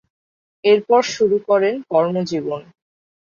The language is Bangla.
এরপর শুরু করেন কর্মজীবন।